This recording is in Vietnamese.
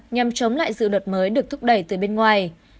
nhằm chống lại dự luật mới được thúc đẩy từ bên ngoài